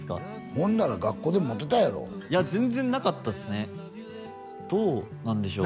ほんなら学校でモテたやろいや全然なかったっすねどうなんでしょう？